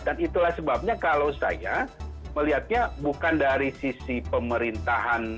dan itulah sebabnya kalau saya melihatnya bukan dari sisi pemerintahan